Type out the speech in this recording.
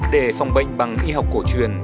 để phòng bệnh bằng y học cổ truyền